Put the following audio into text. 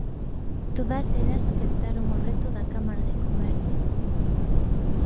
Todas elas aceptaron o reto da Cámara de Comercio.